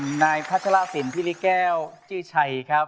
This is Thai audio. ผมนายพระชราศิลป์พิริแก้วจิชัยครับ